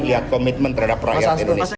lihat komitmen terhadap rakyat indonesia